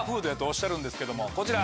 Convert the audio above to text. っしゃるんですけどもこちら。